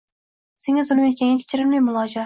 senga zulm etganga kechirimli muojala.»